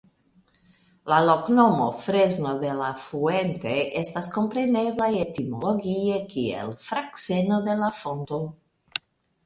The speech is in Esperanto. La loknomo "Fresno de la Fuente" estas komprenebla etimologie kiel Frakseno de la Fonto.